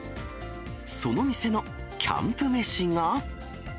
その店のキャンプ飯が。